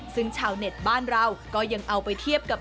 ซึ่งชาวเน็ตบ้านเราก็ยังเอาไปเทียบกับ